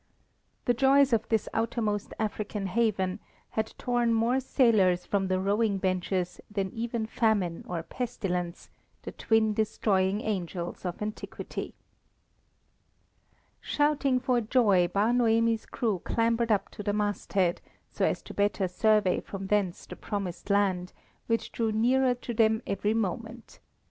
The joys of this outermost African haven had torn more sailors from the rowing benches than even famine or pestilence, the twin destroying angels of antiquity. Shouting for joy, Bar Noemi's crew clambered up to the masthead, so as to better survey from thence the promised land, which drew nearer to them every moment.